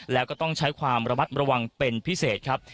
แล้วก็ต้องใช้ความระมัดระวังเป็นพิเศษครับ